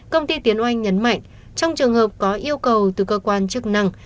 công ty tiến oanh nhấn mạnh trong trường hợp có yêu cầu từ cơ quan chức năng